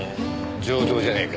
上等じゃねえか。